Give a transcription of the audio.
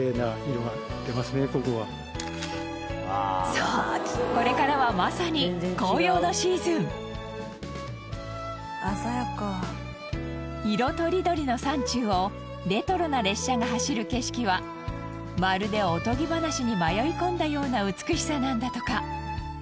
そうこれからはまさに「鮮やか！」色とりどりの山中をレトロな列車が走る景色はまるでおとぎ話に迷い込んだような美しさなんだとか。